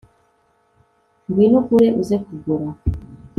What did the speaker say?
Ngwino ugure uze kugura